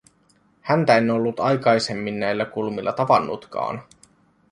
Häntä en ollut aikaisemmin näillä kulmilla tavannutkaan.